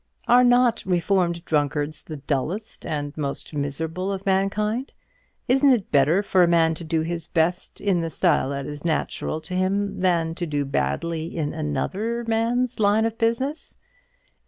Are not reformed drunkards the dullest and most miserable of mankind? Isn't it better for a man to do his best in the style that is natural to him than to do badly in another man's line of business?